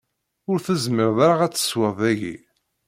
Ur tezmireḍ ara ad tesweḍ dagi.